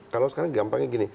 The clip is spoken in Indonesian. kalau sekarang gampangnya gini